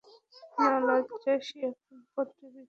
নাজ্জাশী তখন পাদ্রীদের দিকে ফিরে তাকালেন।